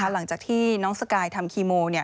หลังจากที่น้องสกายทำคีโม